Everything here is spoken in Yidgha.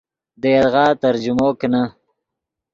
دے یدغا ترجمو کینے